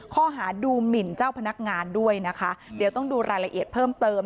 ข้อหาดูหมินเจ้าพนักงานด้วยนะคะเดี๋ยวต้องดูรายละเอียดเพิ่มเติม